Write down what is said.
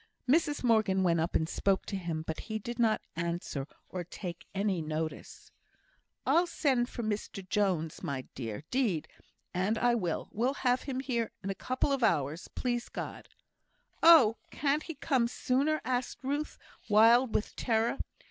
Mrs Morgan went up and spoke to him, but he did not answer or take any notice. "I'll send for Mr Jones, my dear, 'deed and I will; we'll have him here in a couple of hours, please God." "Oh, can't he come sooner?" asked Ruth, wild with terror.